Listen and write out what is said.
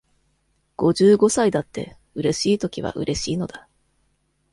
五十五歳だって、うれしいときはうれしいのだ。